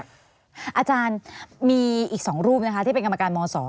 อาจารย์มีอีก๒รูปนะคะที่เป็นกรรมการม๒